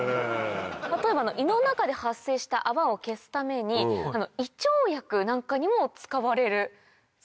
例えば胃の中で発生した泡を消すために胃腸薬なんかにも使われるそうなんですよ。